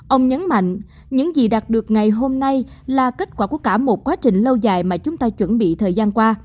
ông nhấn mạnh những gì đạt được ngày hôm nay là kết quả của cả một quá trình lâu dài mà chúng ta chuẩn bị thời gian qua